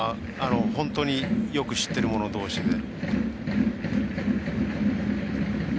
本当によく知ってるものどうしで。